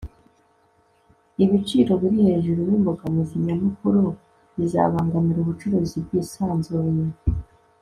ibiciro biri hejuru nimbogamizi nyamukuru zibangamira ubucuruzi bwisanzuye